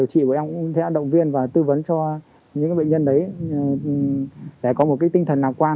em cũng sẽ động viên và tư vấn cho những bệnh nhân đấy để có một cái tinh thần nào quan